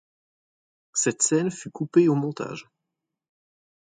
Cette scène fut coupée au montage.